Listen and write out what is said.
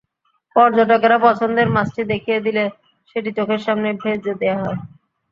পর্যটকেরা পছন্দের মাছটি দেখিয়ে দিলে সেটি চোখের সামনেই ভেজে দেওয়া হচ্ছে।